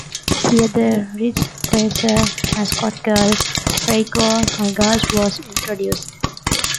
Here the "Ridge Racer" "mascot girl" Reiko Nagase was introduced.